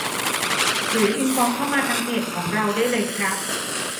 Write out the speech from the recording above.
หรืออินบอกซ์เข้ามาทางเพจของเราได้เลยครับ